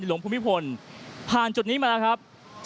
ในหลวงพฤษภรณ์ผ่านจุดนี้มาแล้วครับ